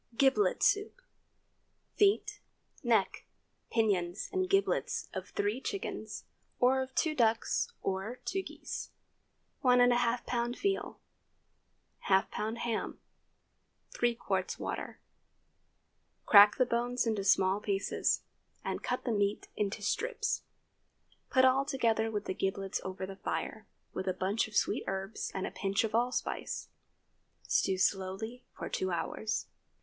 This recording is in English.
GIBLET SOUP. Feet, neck, pinions, and giblets of three chickens, or of two ducks or two geese. 1½ lb. veal. ½ lb. ham. 3 qts. water. Crack the bones into small pieces, and cut the meat into strips. Put all together with the giblets over the fire, with a bunch of sweet herbs and a pinch of allspice. Stew slowly for two hours.